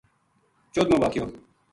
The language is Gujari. چودھمو واقعو